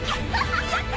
やった！